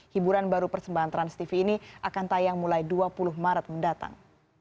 hiburan baru persembahan transtv ini akan tayang mulai dua puluh maret mendatang